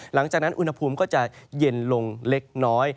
หลังจากนั้นอุณหภูมิก็จะเย็นลงเล็กน้อย